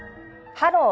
「ハロー！